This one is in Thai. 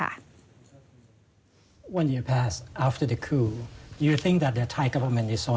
และที่สำคัญของพวกเขาคือติดต่อสินค้าที่แฟร์และสินค้าที่สุด